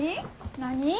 何？